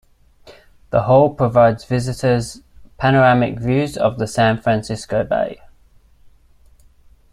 The Hall provides visitors panoramic views of the San Francisco Bay.